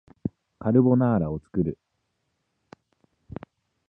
カルボナーラを作る